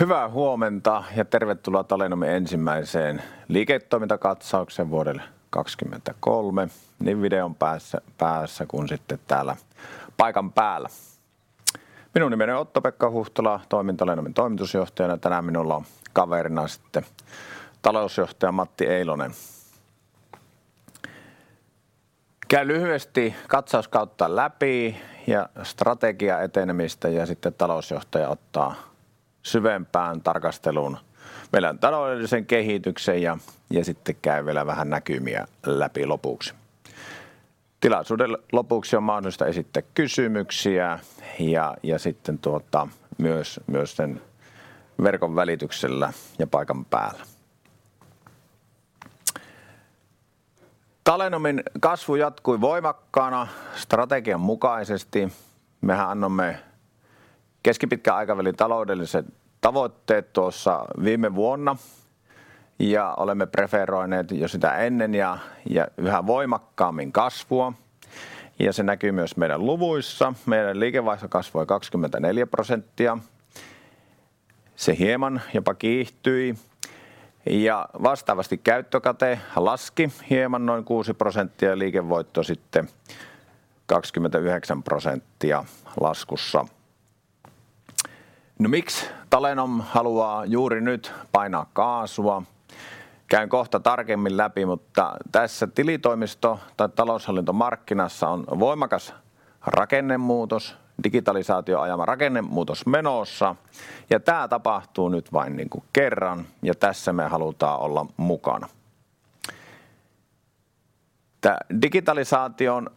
Hyvää huomenta, tervetuloa Talenomin ensimmäiseen liiketoimintakatsaukseen vuodelle 2023. Niin videon päässä kuin sitten täällä paikan päällä. Minun nimeni on Otto-Pekka Huhtala. Toimin Talenomin Toimitusjohtajana, ja tänään minulla on kaverina sitten Talousjohtaja Matti Eilonen. Käyn lyhyesti katsauskautta läpi ja strategiaetenemistä, ja sitten Talousjohtaja ottaa syvempään tarkasteluun meidän taloudellisen kehityksen, ja sitten käy vielä vähän näkymiä läpi lopuksi. Tilaisuuden lopuksi on mahdollista esittää kysymyksiä, ja sitten sen verkon välityksellä ja paikan päällä. Talenomin kasvu jatkui voimakkaana strategian mukaisesti. Mehän annoimme keskipitkän aikavälin taloudelliset tavoitteet tuossa viime vuonna ja olemme preferoineet jo sitä ennen ja yhä voimakkaammin kasvua, ja se näkyy myös meidän luvuissa. Meidän liikevaihto kasvoi 24%. Se hieman jopa kiihtyi, ja vastaavasti käyttökate laski hieman noin 6%, ja liikevoitto sitten 29% laskussa. Miksi Talenom haluaa juuri nyt painaa kaasua? Käyn kohta tarkemmin läpi, tässä tilitoimisto tai taloushallintomarkkinassa on voimakas rakennemuutos, digitalisaation ajama rakennemuutos menossa ja tää tapahtuu nyt vain niinku kerran. Tässä me halutaan olla mukana. Tää digitalisaation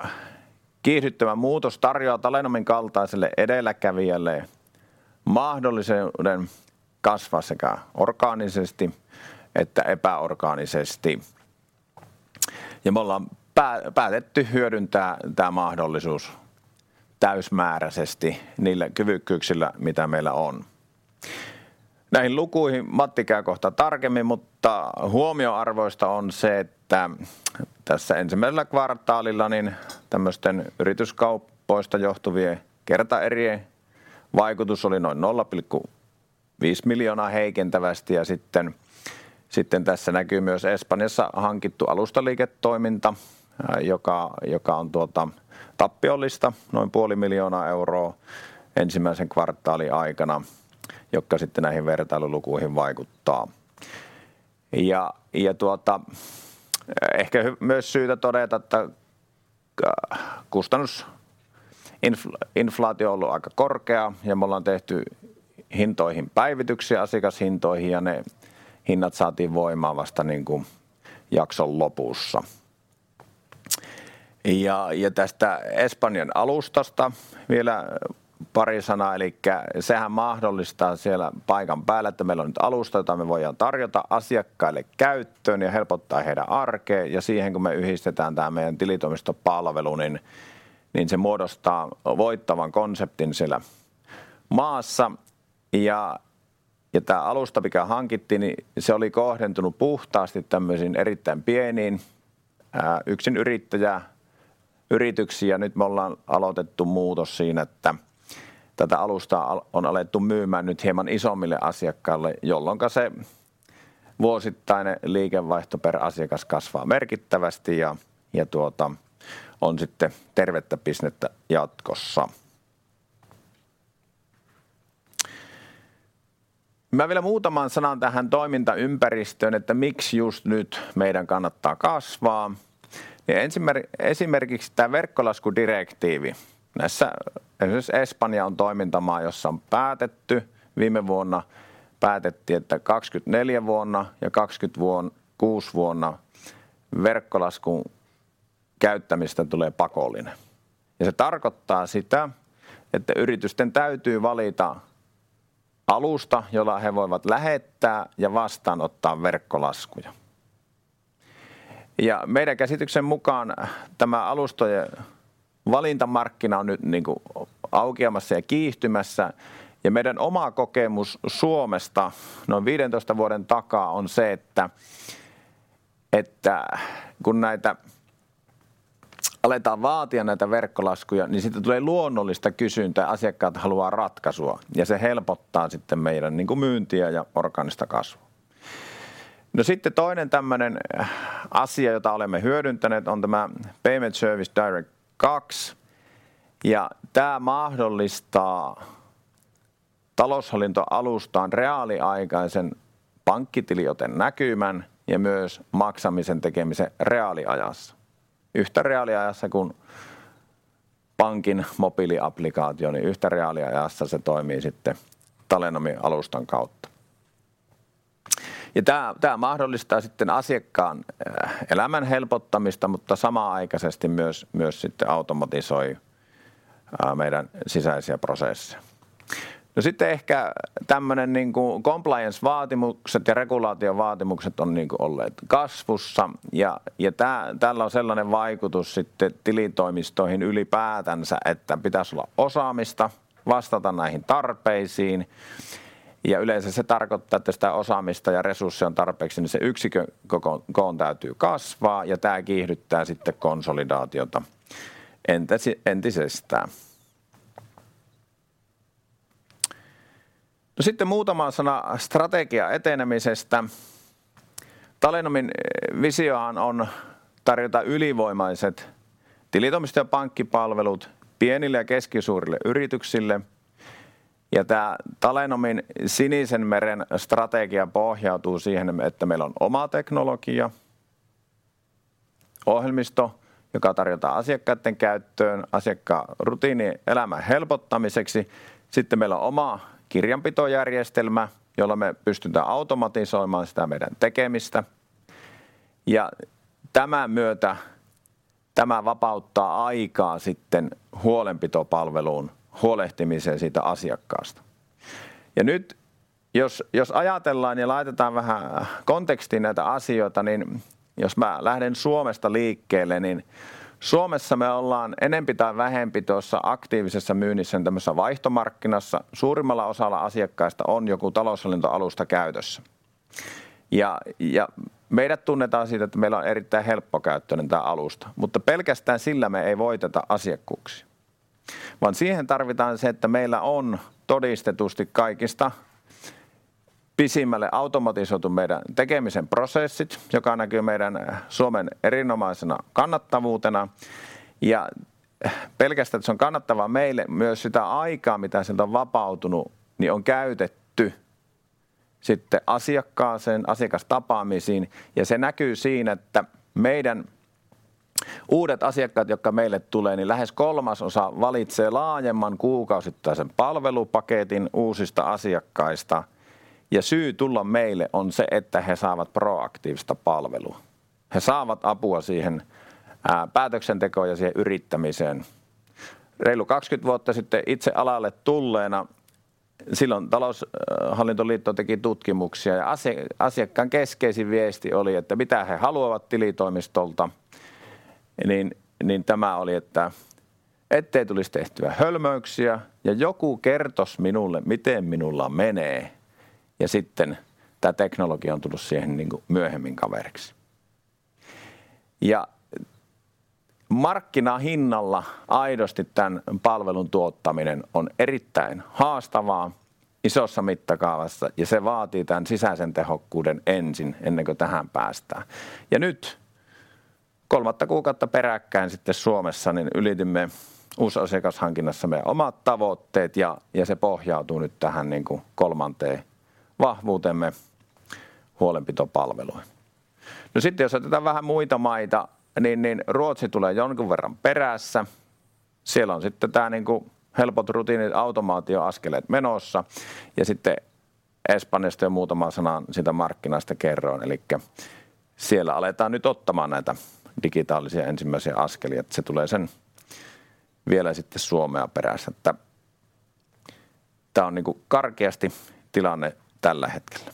kiihdyttämä muutos tarjoaa Talenomin kaltaiselle edelläkävijälle mahdollisuuden kasvaa sekä orgaanisesti että epäorgaanisesti. Me ollaan päätetty hyödyntää tää mahdollisuus täysimääräsesti niillä kyvykkyyksillä mitä meillä on. Näihin lukuihin Matti käy kohta tarkemmin, mutta huomionarvoista on se, että tässä ensimmäisellä kvartaalilla niin tämmösten yrityskaupoista johtuvien kertaerien vaikutus oli noin 0.5 million heikentävästi. Sitten. Tässä näkyy myös Espanjassa hankittu alustaliiketoiminta, joka on tuota tappiollista noin 0.5 million ensimmäisen kvartaalin aikana, jotka sitten näihin vertailulukuihin vaikuttaa. Tuota ehkä myös syytä todeta, että kustannusinflaatio on ollut aika korkea ja me ollaan tehty hintoihin päivityksiä asiakashintoihin ja ne hinnat saatiin voimaan vasta niinku jakson lopussa. Tästä Espanjan alustasta vielä pari sanaa. Elikkä sehän mahdollistaa siellä paikan päällä, että meillä on nyt alusta, jota me voidaan tarjota asiakkaille käyttöön ja helpottaa heidän arkea. Siihen kun me yhdistetään tää meidän tilitoimistopalvelu, niin se muodostaa voittavan konseptin siellä maassa. Tää alusta mikä hankittiin niin se oli kohdentunut puhtaasti tämmöisiin erittäin pieniin ääksinyrittäjä yrityksiin. Ja nyt me ollaan aloitettu muutos siinä, että tätä alustaa on alettu myymään nyt hieman isommille asiakkaille, jolloinka se vuosittainen liikevaihto per asiakas kasvaa merkittävästi ja tuota on sitten tervettä bisnestä jatkossa. Mä vielä muutaman sanan tähän toimintaympäristöön, että miks just nyt meidän kannattaa kasvaa, niin esimerkiksi tää verkkolaskudirektiivi. Näissä esimerkiksi Espanja on toimintamaa, jossa on päätetty viime vuonna päätettiin, että 2024 vuonna ja 2026 vuonna verkkolaskun käyttämisestä tulee pakollinen ja se tarkoittaa sitä, että yritysten täytyy valita alusta, jolla he voivat lähettää ja vastaanottaa verkkolaskuja. Meidän käsityksen mukaan tämä alustojen valintamarkkina on nyt niinku aukeamassa ja kiihtymässä. Meidän oma kokemus Suomesta noin 15 vuoden takaa on se, että kun näitä aletaan vaatia näitä verkkolaskuja, niin siitä tulee luonnollista kysyntää. Asiakkaat haluaa ratkaisua ja se helpottaa sitten meidän niinku myyntiä ja orgaanista kasvua. Sitten toinen tämmöinen asia, jota olemme hyödyntäneet on tämä Payment Services Directive 2 ja tää mahdollistaa taloushallintoalustaan reaaliaikaisen pankkitiliotenäkymän ja myös maksamisen tekemisen reaaliajassa. Yhtä reaaliajassa kuin pankin mobiiliapplikaatio, niin yhtä reaaliajassa se toimii sitten Talenomin alustan kautta. Tää mahdollistaa sitten asiakkaan elämän helpottamista, mutta samanaikaisesti myös sitten automatisoi meidän sisäisiä prosesseja. Sitten ehkä tämmöinen niinku compliance vaatimukset ja regulaatiovaatimukset on niinku olleet kasvussa ja tää tällä on sellainen vaikutus sitten tilitoimistoihin ylipäätänsä, että pitäis olla osaamista vastata näihin tarpeisiin. Yleensä se tarkoittaa, että sitä osaamista ja resursseja on tarpeeksi, niin se yksikön koon täytyy kasvaa ja tää kiihdyttää sitten konsolidaatiota entisestään. Sitten muutama sana strategian etenemisestä. Talenomin visiohan on tarjota ylivoimaiset tilitoimisto ja pankkipalvelut pienille ja keskisuurille yrityksille. Tää Talenomin sinisen meren strategia pohjautuu siihen, että meillä on oma teknologia. Ohjelmisto, joka tarjotaan asiakkaiden käyttöön asiakkaan rutiinielämän helpottamiseksi. Meillä on oma kirjanpitojärjestelmä, jolla me pystytään automatisoimaan sitä meidän tekemistä ja tämän myötä tämä vapauttaa aikaa sitten huolenpitopalveluun huolehtimiseen siitä asiakkaasta. Nyt jos ajatellaan ja laitetaan vähän kontekstiin näitä asioita, niin jos mä lähden Suomesta liikkeelle, niin Suomessa me ollaan enempi tai vähempi tuossa aktiivisessa myynnissä tämmösessä vaihtomarkkinassa suurimmalla osalla asiakkaista on joku taloushallintoalusta käytössä ja meidät tunnetaan siitä, että meillä on erittäin helppokäyttöinen tää alusta, mutta pelkästään sillä me ei voiteta asiakkuuksia, vaan siihen tarvitaan se, että meillä on todistetusti kaikista pisimmälle automatisoitu meidän tekemisen prosessit, joka näkyy meidän Suomen erinomaisena kannattavuutena. Pelkästään se on kannattavaa meille myös sitä aikaa, mitä sieltä on vapautunu niin on käytetty sitten asiakkaaseen asiakastapaamisiin ja se näkyy siinä, että meidän uudet asiakkaat, jotka meille tulee, niin lähes 1/3 valitsee laajemman kuukausittaisen palvelupaketin uusista asiakkaista ja syy tulla meille on se, että he saavat proaktiivista palvelua. He saavat apua siihen päätöksentekoon ja siihen yrittämiseen. Reilu 20 vuotta sitten itse alalle tulleena silloin Taloushallintoliitto teki tutkimuksia ja asiakkaan keskeisin viesti oli, että mitä he haluavat tilitoimistolta, niin tämä oli, että ettei tulisi tehtyä hölmöyksiä ja joku kertos minulle miten minulla menee. Sitten tää teknologia on tullut siihen niinku myöhemmin kaveriksi ja markkinahinnalla aidosti tän palvelun tuottaminen on erittäin haastavaa isossa mittakaavassa ja se vaatii tän sisäisen tehokkuuden ensin ennen kuin tähän päästään. Nyt kolmatta kuukautta peräkkäin sitten Suomessa niin ylitimme uusi asiakashankinnassa meidän omat tavoitteet ja se pohjautuu nyt tähän niinku kolmanteen vahvuuteemme huolenpitopalveluun. Sitten jos otetaan vähän muita maita, niin Ruotsi tulee jonkun verran perässä. Siellä on sitten tää niinku helpot rutiinit automaatioaskeleet menossa ja sitten Espanjasta jo muutama sana siitä markkinasta kerron. Siellä aletaan nyt ottamaan näitä digitaalisia ensimmäisiä askelia, että se tulee sen vielä sitten Suomea perässä, että tää on niinku karkeasti tilanne tällä hetkellä.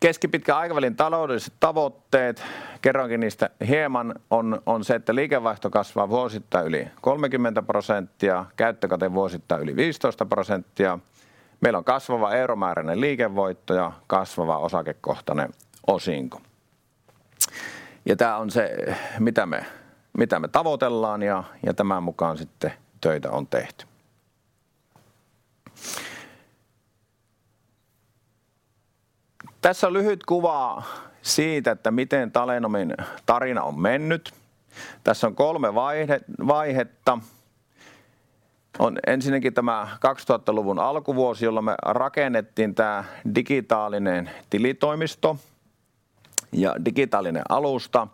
Keskipitkän aikavälin taloudelliset tavoitteet. Kerroinkin niistä hieman on se, että liikevaihto kasvaa vuosittain yli 30%, käyttökate vuosittain yli 15%. Meillä on kasvava euromääräinen liikevoitto ja kasvava osakekohtainen osinko. Tää on se mitä me tavoitellaan ja tämän mukaan sitten töitä on tehty. Tässä on lyhyt kuva siitä, että miten Talenomin tarina on mennyt. Tässä on kolme vaihetta. On ensinnäkin tämä 2000-luvun alkuvuosi, jolloin me rakennettiin tää digitaalinen tilitoimisto ja digitaalinen alusta.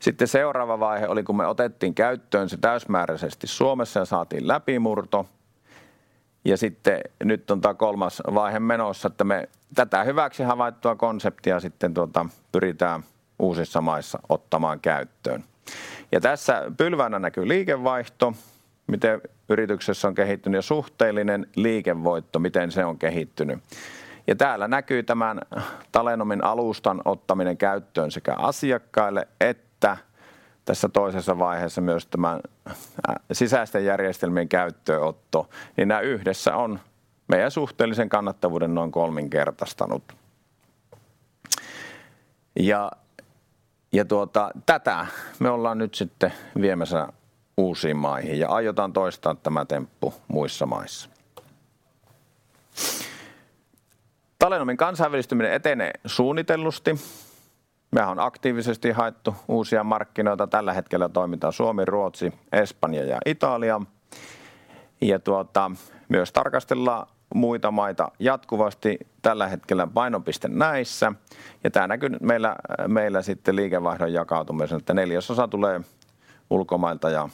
Sitten seuraava vaihe oli kun me otettiin käyttöön se täysmääräisesti Suomessa ja saatiin läpimurto. Sitten nyt on tää kolmas vaihe menossa, että me tätä hyväksi havaittua konseptia sitten pyritään uusissa maissa ottamaan käyttöön. Tässä pylväänä näkyy liikevaihto, miten yrityksessä on kehittynyt ja suhteellinen liikevoitto, miten se on kehittynyt. Täällä näkyy tämän Talenomin alustan ottaminen käyttöön sekä asiakkaille että tässä toisessa vaiheessa myös tämän sisäisten järjestelmien käyttöönotto, niin nää yhdessä on meidän suhteellisen kannattavuuden noin kolminkertaistanut. Tätä me ollaan nyt sitten viemässä uusiin maihin ja aiotaan toistaa tämä temppu muissa maissa. Talenomin kansainvälistyminen etenee suunnitellusti. Mehän on aktiivisesti haettu uusia markkinoita. Tällä hetkellä toiminta Suomi, Ruotsi, Espanja ja Italia ja tuota myös tarkastellaan muita maita jatkuvasti. Tällä hetkellä painopiste näissä ja tää näkyy nyt meillä sitten liikevaihdon jakautumisena, että 1/4 tulee ulkomailta ja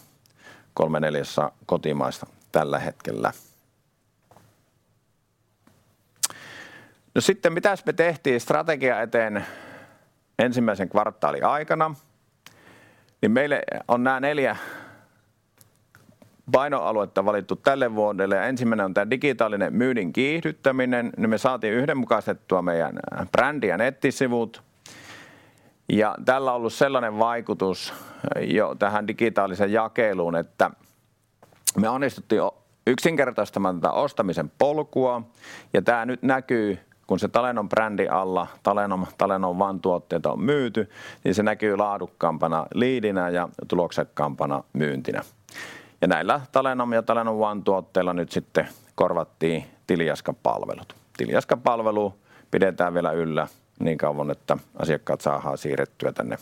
3/4 kotimaista tällä hetkellä. Sitten mitäs me tehtiin strategian eteen ensimmäisen kvartaalin aikana, niin meille on nää neljä painoaluetta valittu tälle vuodelle ja ensimmäinen on tää digitaalinen myynnin kiihdyttäminen, niin me saatiin yhdenmukaistettua meidän brändi ja nettisivut ja tällä on ollut sellainen vaikutus jo tähän digitaaliseen jakeluun, että me onnistuttiin yksinkertaistamaan tätä ostamisen polkua. Tää nyt näkyy kun se Talenom brändin alla Talenom Talenom One tuotteita on myyty, niin se näkyy laadukkaampana liidinä ja tuloksekkaampana myyntinä. Näillä Talenom ja Talenom One tuotteilla nyt sitten korvattiin Tiliaskan palvelut. Tiliaskan palvelu pidetään vielä yllä niin kauan, että asiakkaat saadaan siirrettyä tänne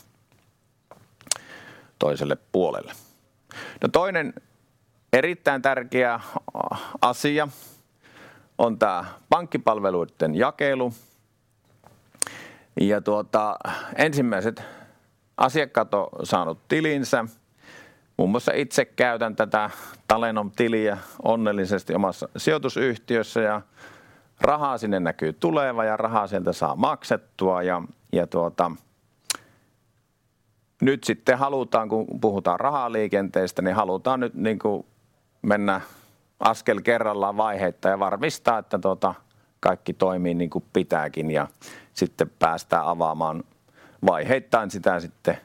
toiselle puolelle. Toinen erittäin tärkeä asia on tää pankkipalveluitten jakelu ja ensimmäiset asiakkaat on saanut tilinsä. Muun muassa itse käytän tätä Talenom-tiliä onnellisesti omassa sijoitusyhtiössä ja rahaa sinne näkyy tulevan ja rahaa sieltä saa maksettua. Nyt sitten halutaan kun puhutaan rahaliikenteestä, niin halutaan nyt mennä askel kerrallaan vaiheittain ja varmistaa, että kaikki toimii niinku pitääkin ja sitten päästään avaamaan vaiheittain sitä sitten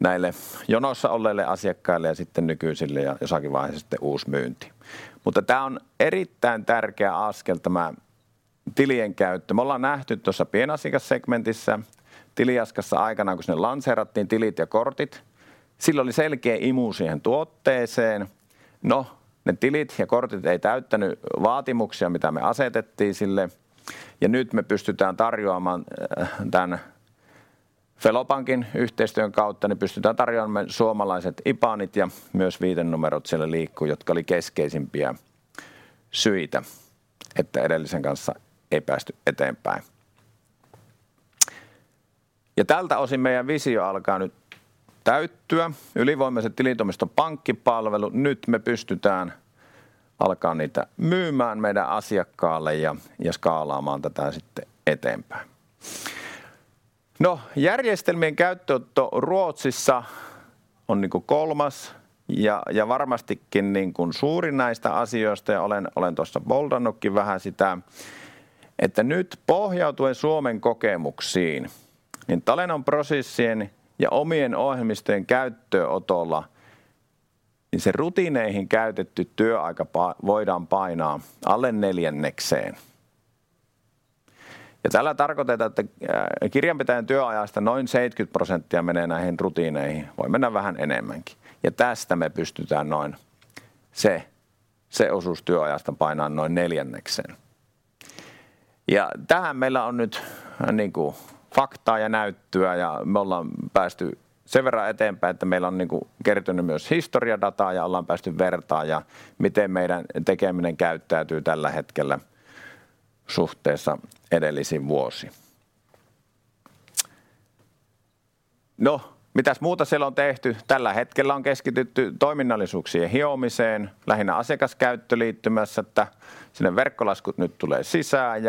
näille jonossa olleille asiakkaille ja sitten nykyisille ja jossakin vaiheessa sitten uusi myynti. Tää on erittäin tärkeä askel tämä tilien käyttö. Me ollaan nähty tuossa pienasiakassegmentissä Tiliaskassa aikanaan kun sinne lanseerattiin tilit ja kortit. Sillä oli selkeä imu siihen tuotteeseen. Ne tilit ja kortit ei täyttäny vaatimuksia mitä me asetettiin sille. Nyt me pystytään tarjoamaan tän Fellow Pankin yhteistyön kautta, niin pystytään tarjoamaan suomalaiset IBANit ja myös viitenumerot siellä liikkuu, jotka oli keskeisimpiä syitä, että edellisen kanssa ei päästy eteenpäin. Tältä osin meidän visio alkaa nyt täyttyä. Ylivoimaiset tilitoimiston pankkipalvelut. Nyt me pystytään alkaa niitä myymään meidän asiakkaalle ja skaalaamaan tätä sitten eteenpäin. Järjestelmien käyttöönotto Ruotsissa on niinku kolmas ja varmastikin niin kun suurin näistä asioista. Olen tuossa boldannutkin vähän sitä, että nyt pohjautuen Suomen kokemuksiin, niin Talenom prosessien ja omien ohjelmistojen käyttöönotolla, niin se rutiineihin käytetty työaika voidaan painaa alle neljännekseen. Tällä tarkoitetaan, että kirjanpitäjän työajasta noin 70% menee näihin rutiineihin. Voi mennä vähän enemmänkin. Tästä me pystytään noin se osuus työajasta painamaan noin neljännekseen. Tähän meillä on nyt niinku faktaa ja näyttöä ja me ollaan päästy sen verran eteenpäin, että meillä on niinku kertynyt myös historiadataa ja ollaan päästy vertaamaan ja miten meidän tekeminen käyttäytyy tällä hetkellä suhteessa edellisiin vuosiin. Mitäs muuta siellä on tehty? Tällä hetkellä on keskitytty toiminnallisuuksien hiomiseen lähinnä asiakaskäyttöliittymässä, että sinne verkkolaskut nyt tulee sisään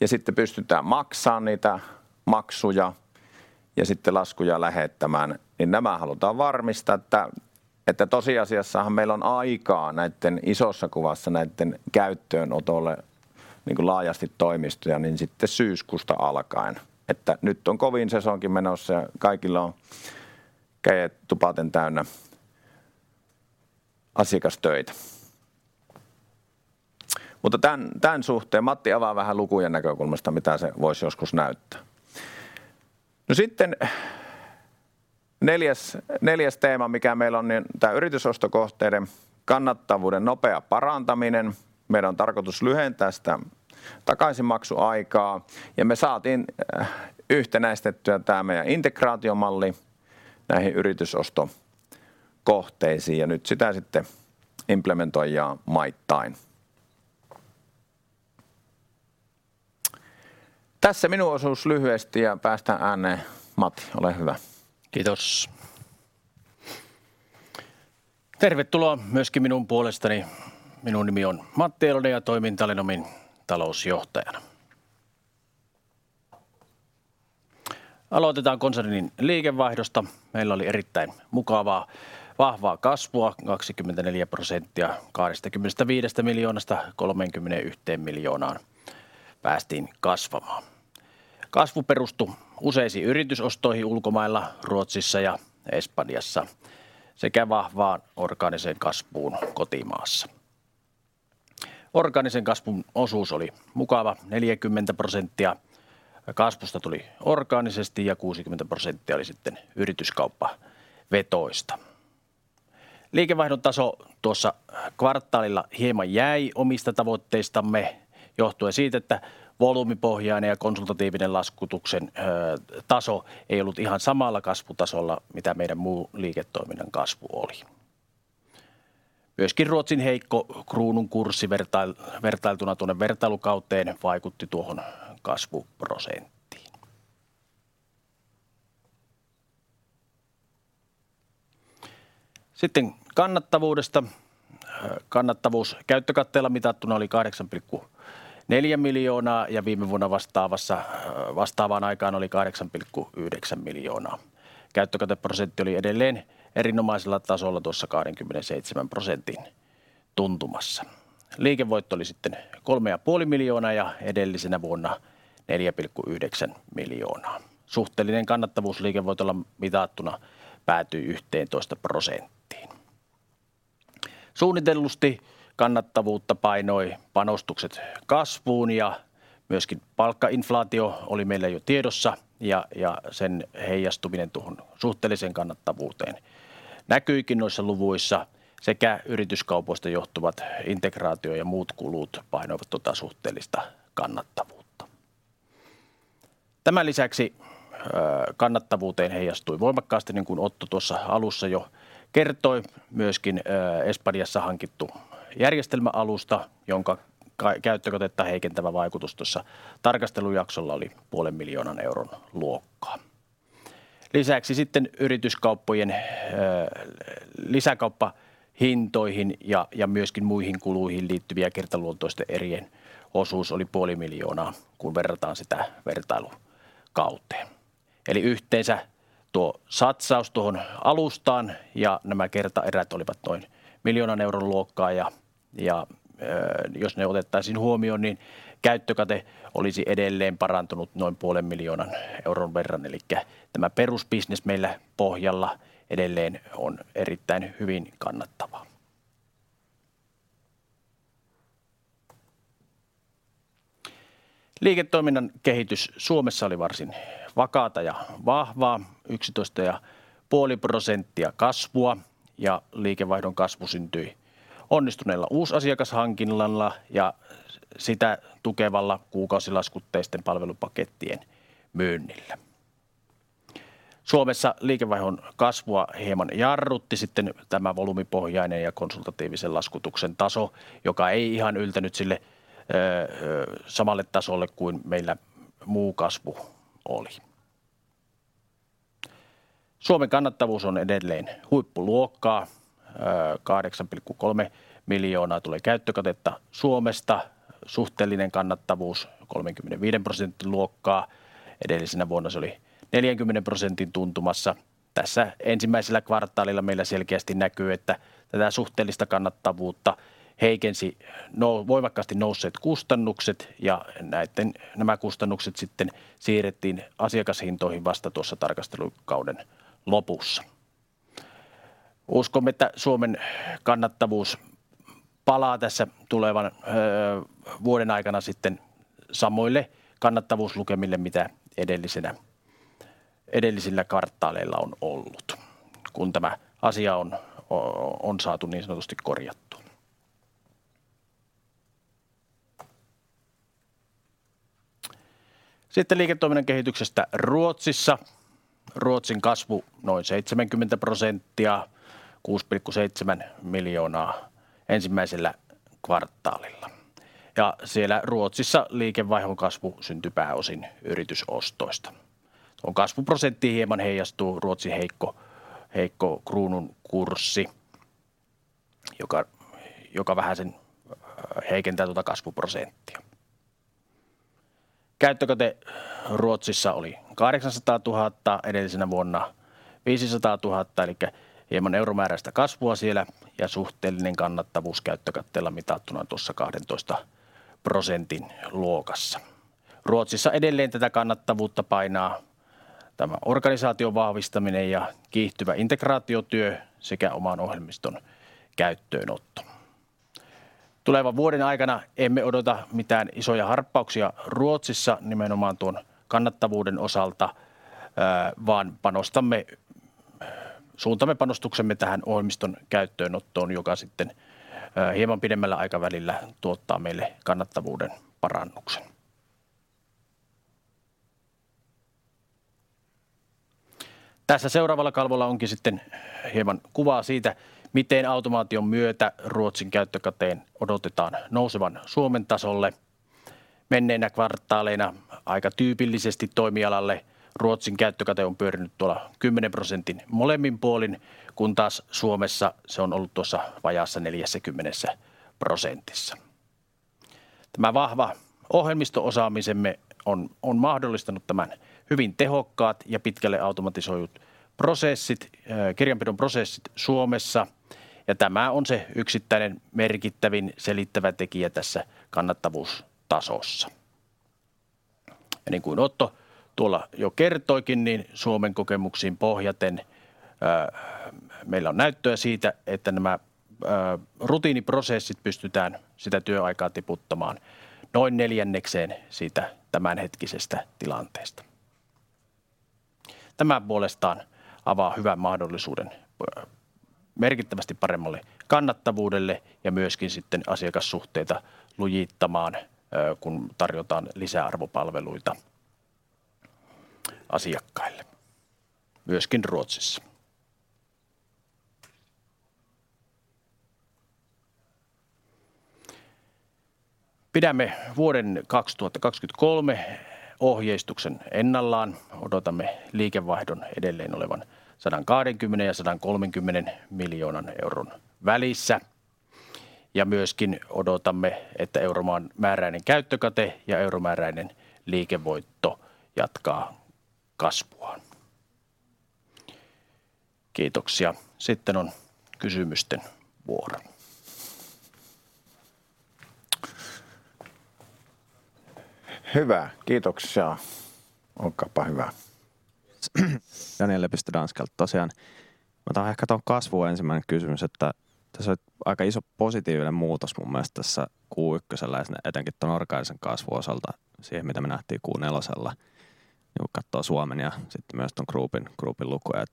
ja sitten pystytään maksamaan niitä maksuja ja sitten laskuja lähettämään. Nämä halutaan varmistaa, että tosiasiassahan meillä on aikaa näitten isossa kuvassa näitten käyttöönotolle niinku laajasti toimistoja niin sitten syyskuusta alkaen. Nyt on kovin sesonki menossa ja kaikilla on kädet tupaten täynnä asiakastöitä. Tän suhteen Matti avaa vähän lukujen näkökulmasta mitä se voisi joskus näyttää. Neljäs teema mikä meillä on, niin tää yritysostokohteiden kannattavuuden nopea parantaminen. Meidän on tarkoitus lyhentää sitä takaisinmaksuaikaa ja me saatiin yhtenäistettyä tää meidän integraatiomalli näihin yritysostokohteisiin ja nyt sitä sitten implementoidaan maittain. Tässä minun osuus lyhyesti ja päästän ääneen Matti, ole hyvä. Kiitos! Tervetuloa myöskin minun puolestani. Minun nimi on Matti Eilonen ja toimin Talenomin talousjohtajana. Aloitetaan konsernin liikevaihdosta. Meillä oli erittäin mukavaa vahvaa kasvua 24% 25 miljoonasta 31 miljoonaan päästiin kasvamaan. Kasvu perustu useisiin yritysostoihin ulkomailla, Ruotsissa ja Espanjassa sekä vahvaan orgaaniseen kasvuun kotimaassa. Orgaanisen kasvun osuus oli mukava 40% kasvusta tuli orgaanisesti ja 60% oli sitten yrityskauppavetoista. Liikevaihdon taso tuossa kvartaalilla hieman jäi omista tavoitteistamme johtuen siitä, että volyymipohjainen ja konsultatiivinen laskutuksen taso ei ollut ihan samalla kasvutasolla mitä meidän muu liiketoiminnan kasvu oli. Myöskin Ruotsin heikko kruunun kurssi vertailtuna tuonne vertailukauteen vaikutti tuohon kasvuprosenttiin. Kannattavuudesta. Kannattavuus käyttökatteella mitattuna oli 8.4 miljoonaa ja viime vuonna vastaavaan aikaan oli 8.9 miljoonaa. Käyttökateprosentti oli edelleen erinomaisella tasolla tuossa 27% tuntumassa. Liikevoitto oli sitten 3.5 miljoonaa ja edellisenä vuonna 4.9 miljoonaa. Suhteellinen kannattavuus liikevoitolla mitattuna päätyi 11%. Suunnitellusti kannattavuutta painoi panostukset kasvuun ja myöskin palkkainflaatio oli meillä jo tiedossa ja sen heijastuminen tuohon suhteelliseen kannattavuuteen näkyikin noissa luvuissa sekä yrityskaupoista johtuvat integraatio ja muut kulut painoivat tuota suhteellista kannattavuutta. Tämän lisäksi kannattavuuteen heijastui voimakkaasti, niin kuin Otto tuossa alussa jo kertoi. Myöskin Espanjassa hankittu järjestelmäalusta, jonka käyttökatetta heikentävä vaikutus tuossa tarkastelujaksolla oli 0.5 million luokkaa. Lisäksi sitten yrityskauppojen lisäkauppahintoihin ja myöskin muihin kuluihin liittyviä kertaluontoisten erien osuus oli 0.5 million, kun verrataan sitä vertailukauteen. Yhteensä tuo satsaus tuohon alustaan ja nämä kertaerät olivat noin 1 million luokkaa ja jos ne otettaisiin huomioon, niin käyttökate olisi edelleen parantunut noin 0.5 million verran. Tämä perusbisnes meillä pohjalla edelleen on erittäin hyvin kannattavaa. Liiketoiminnan kehitys Suomessa oli varsin vakaata ja vahvaa. 11.5% kasvua. Liikevaihdon kasvu syntyi onnistuneella uusasiakashankinnalla ja sitä tukevalla kuukausilaskutteisten palvelupakettien myynnillä. Suomessa liikevaihdon kasvua hieman jarrutti tämä volyymipohjainen ja konsultatiivisen laskutuksen taso, joka ei ihan yltänyt sille samalle tasolle kuin meillä muu kasvu oli. Suomen kannattavuus on edelleen huippuluokkaa. 8.3 miljoonaa tulee käyttökatetta Suomesta. Suhteellinen kannattavuus 35% luokkaa. Edellisenä vuonna se oli 40% tuntumassa. Tässä ensimmäisellä kvartaalilla meillä selkeästi näkyy, että tätä suhteellista kannattavuutta heikensi voimakkaasti nousseet kustannukset ja nämä kustannukset sitten siirrettiin asiakashintoihin vasta tuossa tarkastelukauden lopussa. Uskomme, että Suomen kannattavuus palaa tässä tulevan vuoden aikana sitten samoille kannattavuuslukemille, mitä edellisillä kvartaaleilla on ollut. Kun tämä asia on saatu niin sanotusti korjattua. Liiketoiminnan kehityksestä Ruotsissa. Ruotsin kasvu noin 70%, 6.7 miljoonaa ensimmäisellä kvartaalilla. Siellä Ruotsissa liikevaihdon kasvu syntyi pääosin yritysostoista. Tuohon kasvuprosenttiin hieman heijastuu Ruotsin heikko kruunun kurssi, joka vähäsen heikentää tuota kasvuprosenttia. Käyttökate Ruotsissa oli 800,000, edellisenä vuonna 500,000 elikkä hieman euromääräistä kasvua siellä ja suhteellinen kannattavuus käyttökatteella mitattuna tuossa 12% luokassa. Ruotsissa edelleen tätä kannattavuutta painaa tämä organisaation vahvistaminen ja kiihtyvä integraatiotyö sekä oman ohjelmiston käyttöönotto. Tulevan vuoden aikana emme odota mitään isoja harppauksia Ruotsissa nimenomaan tuon kannattavuuden osalta, vaan panostamme, suuntamme panostuksemme tähän ohjelmiston käyttöönottoon, joka sitten hieman pidemmällä aikavälillä tuottaa meille kannattavuuden parannuksen. Tässä seuraavalla kalvolla onkin sitten hieman kuvaa siitä, miten automaation myötä Ruotsin käyttökateen odotetaan nousevan Suomen tasolle. Menneinä kvartaaleina aika tyypillisesti toimialalle Ruotsin käyttökate on pyörinyt tuolla 10% molemmin puolin, kun taas Suomessa se on ollut tuossa vajaassa 40%. Tämä vahva ohjelmisto-osaamisemme on mahdollistanut tämän. Hyvin tehokkaat ja pitkälle automatisoidut prosessit, kirjanpidon prosessit Suomessa. Tämä on se yksittäinen merkittävin selittävä tekijä tässä kannattavuustasossa. Niin kuin Otto tuolla jo kertoikin, Suomen kokemuksiin pohjaten, meillä on näyttöä siitä, että nämä rutiiniprosessit pystytään sitä työaikaa tiputtamaan noin neljännekseen siitä tämänhetkisestä tilanteesta. Tämä puolestaan avaa hyvän mahdollisuuden merkittävästi paremmalle kannattavuudelle ja myöskin sitten asiakassuhteita lujittamaan, kun tarjotaan lisäarvopalveluita asiakkaille myöskin Ruotsissa. Pidämme vuoden 2023 ohjeistuksen ennallaan. Odotamme liikevaihdon edelleen olevan 120 million-130 million välissä. Myöskin odotamme, että euromääräinen käyttökate ja euromääräinen liikevoitto jatkaa kasvuaan. Kiitoksia. On kysymysten vuoro. Hyvä. Kiitoksia. Olkaapa hyvä. Daniel Lepistö Danskelta. Mä otan ehkä tuohon kasvuun ensimmäinen kysymys, että tässä oli aika iso positiivinen muutos mun mielestä tässä Q1:llä ja etenkin tuon orgaanisen kasvun osalta siihen, mitä me nähtiin Q4:llä, kun katsoo Suomen ja sitten myös tuon Groupin lukuja.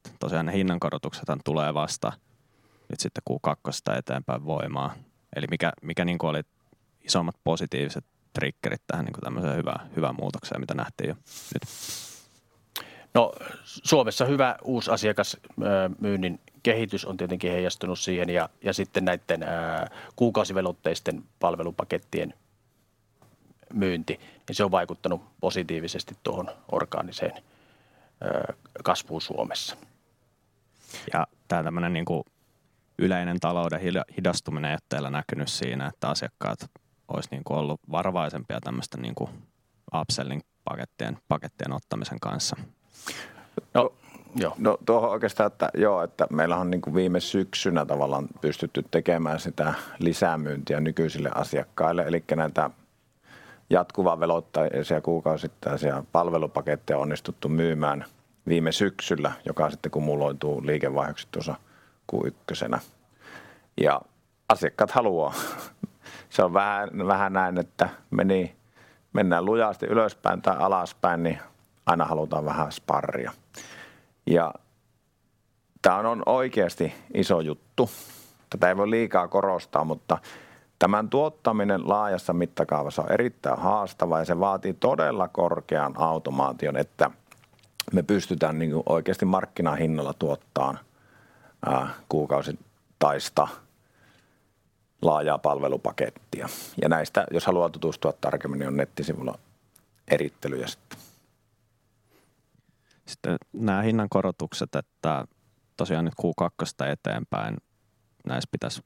Hinnankorotuksethan tulee vasta nyt sitten Q2:sta eteenpäin voimaan. Mikä niinku oli isommat positiiviset triggerit tähän niinku tämmöiseen hyvään muutokseen mitä nähtiin jo nyt? Suomessa hyvä uusi asiakas, myynnin kehitys on tietenkin heijastunut siihen ja sitten näitten kuukausivelotteisten palvelupakettien myynti, niin se on vaikuttanut positiivisesti tuohon orgaaniseen kasvuun Suomessa. Tää tämmönen niinku yleinen talouden hidastuminen, onko teillä näkynyt siinä, että asiakkaat ois niinku ollu varovaisempia tämmösten niinku upselling-pakettien ottamisen kanssa? No joo, tuohon oikeastaan, että joo, että meillähän on niinku viime syksynä tavallaan pystytty tekemään sitä lisämyyntiä nykyisille asiakkaille. Elikkä näitä jatkuvavelotteisia kuukausittaisia palvelupaketteja on onnistuttu myymään viime syksyllä, joka on sitten kumuloituu liikevaihoksi tuossa Q ykkösenä. Asiakkaat haluaa. Se on vähän näin, että mennään lujasti ylöspäin tai alaspäin, niin aina halutaan vähän sparria. Tää on oikeasti iso juttu. Tätä ei voi liikaa korostaa, mutta tämän tuottaminen laajassa mittakaavassa on erittäin haastava ja se vaatii todella korkean automaation, että me pystytään niinku oikeasti markkinahinnalla tuottaan kuukausittaista laajaa palvelupakettia. Näistä jos haluaa tutustua tarkemmin, niin on nettisivulla erittelyjä sitten. nää hinnankorotukset, että tosiaan nyt Q2:sta eteenpäin näissä pitäis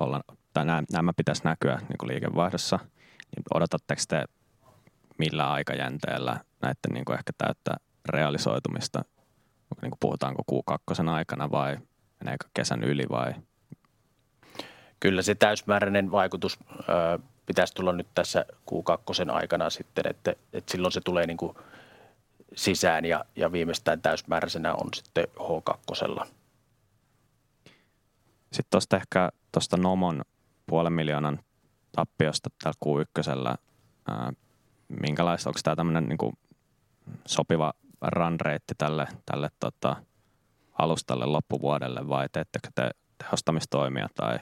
olla tai nämä pitäis näkyä niinku liikevaihdossa, niin odotatteks te millä aikajänteellä näitten niinku ehkä täyttä realisoitumista? Niinku puhutaanko Q2:n aikana vai meneekö kesän yli vai? Kyllä se täysimääräinen vaikutus, pitäis tulla nyt tässä Q kakkosen aikana sitten, että silloin se tulee niinku sisään ja viimeistään täysimääräisenä on sitten H kakkosella. tuosta ehkä tosta Nomo EUR half a million tappiosta täällä Q1. Minkälaista, onks tää tämmönen niinku sopiva run rate tälle alustalle loppuvuodelle vai teettekö te tehostamistoimia tai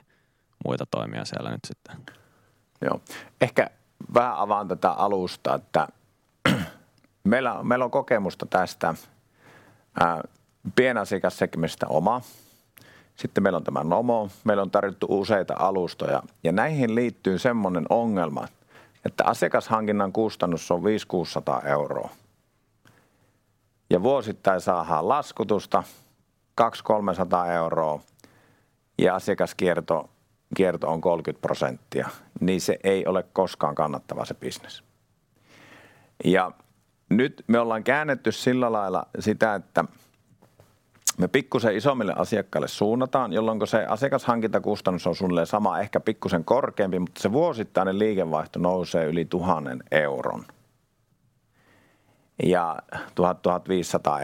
muita toimia siellä nyt sitten? Joo, ehkä vähän avaan tätä alustaa, että meillä on kokemusta tästä pienasiakassegmentistä oma. Meillä on tämä Nomo. Meille on tarjottu useita alustoja ja näihin liittyy semmonen ongelma, että asiakashankinnan kustannus on 500-600 ja vuosittain saahaan laskutusta 200-300 ja asiakaskierto on 30%, niin se ei ole koskaan kannattava se bisnes. Nyt me ollaan käännetty sillä lailla sitä, että me pikkusen isommille asiakkaille suunnataan, jolloinka se asiakashankintakustannus on suunnilleen sama, ehkä pikkusen korkeampi, mutta se vuosittainen liikevaihto nousee yli EUR 1,000. EUR 1,000-1,500,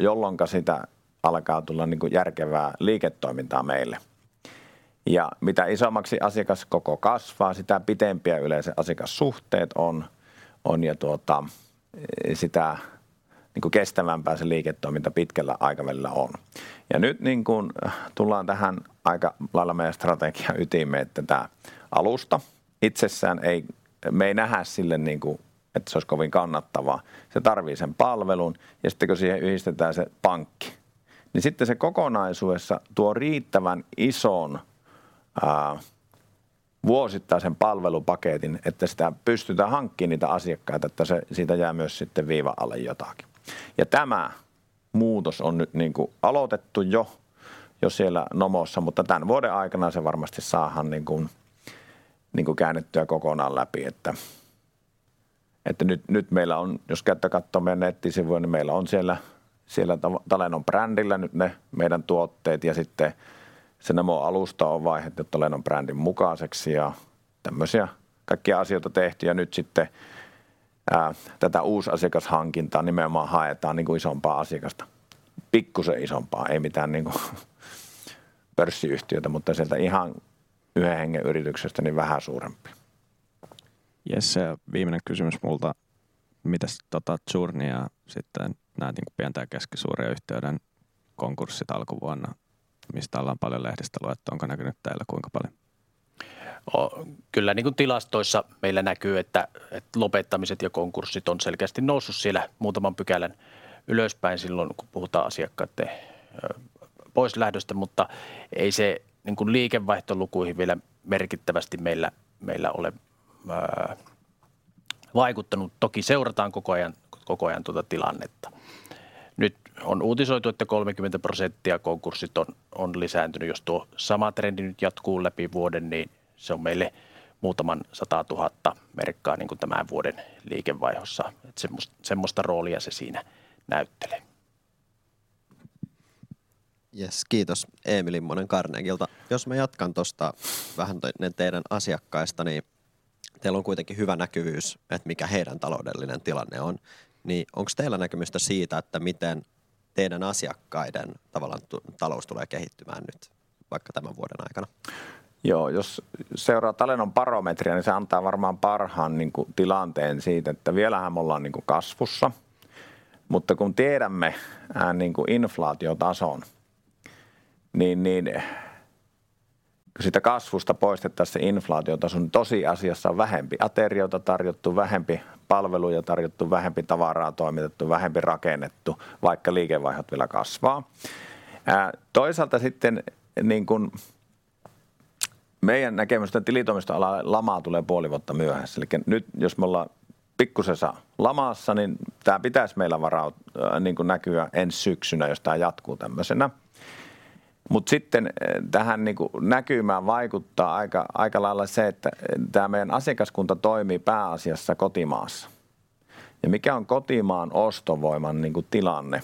jolloinka siitä alkaa tulla niinku järkevää liiketoimintaa meille. Mitä isommaksi asiakaskoko kasvaa, sitä pitempiä yleensä asiakassuhteet on ja tuota sitä niinku kestävämpää se liiketoiminta pitkällä aikavälillä on. Nyt niin kun tullaan tähän aika lailla meidän strategian ytimeen, että tää alusta itsessään me ei nähdä sille niinku, että se ois kovin kannattavaa. Se tarvii sen palvelun. Sitten kun siihen yhdistetään se pankki, niin sitten se kokonaisuudessa tuo riittävän ison vuosittaisen palvelupaketin, että sitä pystytään hankkiin niitä asiakkaita, että siitä jää myös sitten viivan alle jotakin. Tämä muutos on nyt niinku aloitettu jo siellä Nomossa, mutta tän vuoden aikana se varmasti saahaan niinkun, niinku käännettyä kokonaan läpi, että nyt meillä on, jos käytte kattoo meidän nettisivuja, niin meillä on siellä Talenom-brändillä nyt ne meidän tuotteet ja sitten se Nomon alusta on vaihdettu Talenom-brändin mukaiseksi. Tämmösiä kaikkia asioita tehty ja nyt sitten tätä uusi asiakashankintaa nimenomaan haetaan niinku isompaa asiakasta, pikkusen isompaa. Ei mitään niinku pörssiyhtiötä, mutta sieltä ihan yhen hengen yrityksestä niin vähän suurempi. Jes ja viimeinen kysymys multa. Mites tota churn ja sitten nää niinku pienten ja keskisuurien yhtiöiden konkurssit alkuvuonna? Mistä ollaan paljon lehdistöä luettu. Onko näkynyt teillä kuinka paljon? Kyllä niinku tilastoissa meillä näkyy, et lopettamiset ja konkurssit on selkeästi noussu siellä muutaman pykälän ylöspäin silloin kun puhutaan asiakkaitten pois lähdöstä. Ei se niinku liikevaihtolukuihin vielä merkittävästi meillä ole vaikuttanut. Toki seurataan koko ajan tuota tilannetta. Nyt on uutisoitu, että 30% konkurssit on lisääntynyt. Jos tuo sama trendi nyt jatkuu läpi vuoden, niin se on meille EUR muutaman 100,000 merkkaa niinku tämän vuoden liikevaihdossa. Semmosta roolia se siinä näyttelee. Jes kiitos! Emil Immonen Carnegielta. Jos mä jatkan tosta vähän niin teidän asiakkaista, niin teillä on kuitenkin hyvä näkyvyys, et mikä heidän taloudellinen tilanne on, niin onks teillä näkemystä siitä, että miten teidän asiakkaiden tavallaan talous tulee kehittymään nyt vaikka tämän vuoden aikana? Joo, jos seuraa Talouden barometriä, niin se antaa varmaan parhaan niinku tilanteen siitä, että vielähän me ollaan niinku kasvussa. Kun tiedämme vähän niinku inflaatiotason, niin siitä kasvusta poistettaessa inflaatiotason tosiasiassa on vähempi aterioita tarjottu vähempi palveluja tarjottu vähempi tavaraa toimitettu vähempi rakennettu. Vaikka liikevaihdot vielä kasvaa. Sitten niin kun meidän näkemystä tilitoimistoalalle lamaa tulee puoli vuotta myöhässä. Nyt jos me ollaan pikkusessa lamassa, niin tää pitäis meillä niinku näkyä ens syksynä jos tää jatkuu tämmösenä. Sitten tähän niinku näkymään vaikuttaa aikalailla se, että tää meidän asiakaskunta toimii pääasiassa kotimaassa. Mikä on kotimaan ostovoiman niinku tilanne.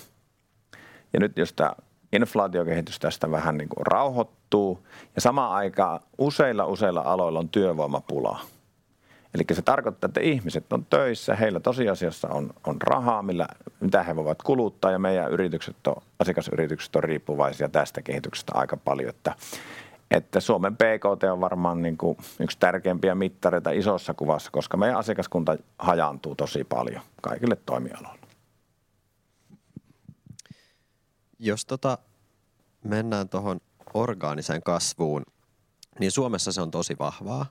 Nyt jos tää inflaatiokehitys tästä vähän niinku rauhoittuu ja samaan aikaan useilla aloilla on työvoimapulaa. Se tarkoittaa, että ihmiset on töissä. Heillä tosiasiassa on rahaa millä mitä he voivat kuluttaa ja meidän yritykset on asiakasyritykset on riippuvaisia tästä kehityksestä aika paljon, että Suomen BKT on varmaan niinku yks tärkeimpiä mittareita isossa kuvassa, koska meidän asiakaskunta hajaantuu tosi paljon kaikille toimialoille. Mennään tohon orgaaniseen kasvuun, Suomessa se on tosi vahvaa.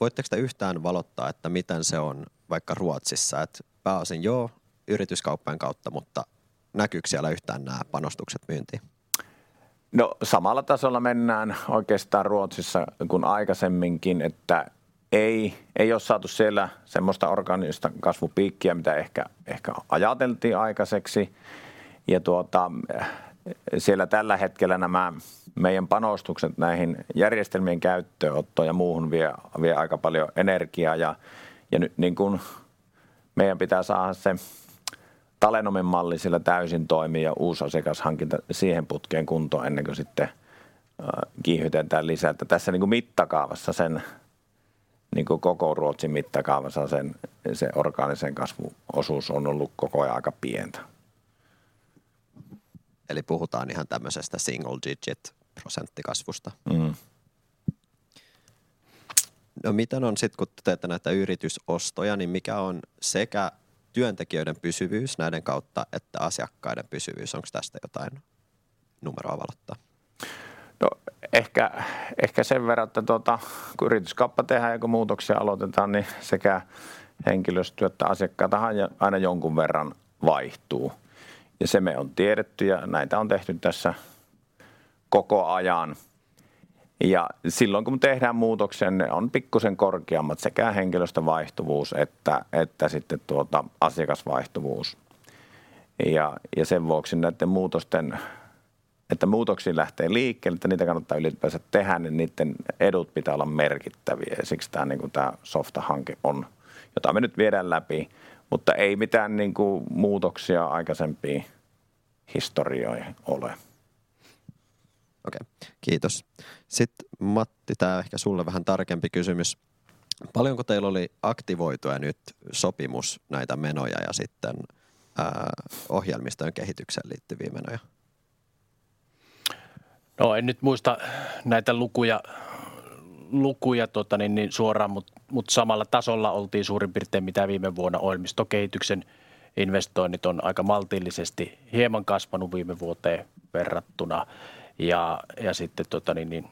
Voitteks te yhtään valottaa, että miten se on vaikka Ruotsissa, et pääosin joo yrityskauppojen kautta, mutta näkyykö siellä yhtään nää panostukset myyntiin? No samalla tasolla mennään oikeastaan Ruotsissa kun aikaisemminkin. Ei, ei oo saatu siellä semmosta orgaanista kasvupiikkiä, mitä ehkä ajateltiin aikaiseksi. Tuota siellä tällä hetkellä nämä meidän panostukset näihin järjestelmien käyttöönottoon ja muuhun vie aika paljon energiaa ja ja nyt niin kun meidän pitää saada se Talenomin malli siellä täysin toimiin ja uusasiakashankinta siihen putkeen kuntoon ennen kuin sitten kiihdytetään lisää. Tässä niinku mittakaavassa sen niinku koko Ruotsin mittakaavassa sen se orgaanisen kasvun osuus on ollut koko ajan aika pientä. Puhutaan ihan tämmösestä single digit prosenttikasvusta. Mm. Miten on sit kun teette näitä yritysostoja, niin mikä on sekä työntekijöiden pysyvyys näiden kautta että asiakkaiden pysyvyys? Onks tästä jotain numeroa valottaa? No ehkä sen verran, että tuota kun yrityskauppa tehdään ja kun muutoksia aloitetaan, niin sekä henkilöstöä että asiakkaitahan ja aina jonkun verran vaihtuu. Se me on tiedetty ja näitä on tehty tässä koko ajan. Silloin kun tehdään muutoksen, ne on pikkaisen korkeammat sekä henkilöstövaihtuvuus että sitten tuota asiakasvaihtuvuus. Sen vuoksi näitten muutosten, että muutoksia lähtee liikkeelle, että niitä kannattaa ylipäänsä tehdä, niin niitten edut pitää olla merkittäviä. Siksi tää niinku tää softahanke on, jota me nyt viedään läpi. Ei mitään niinku muutoksia aikaisempiin historioihin ole. Okei, kiitos. Matti tää ehkä sulle vähän tarkempi kysymys? Paljonko teillä oli aktivoitua nyt sopimus näitä menoja ja sitten ohjelmistojen kehitykseen liittyviä menoja? En nyt muista näitä lukuja tuota niin niin suoraan, mut samalla tasolla oltiin suurin piirtein mitä viime vuonna. Ohjelmistokehityksen investoinnit on aika maltillisesti hieman kasvanut viime vuoteen verrattuna ja sitten tota niin niin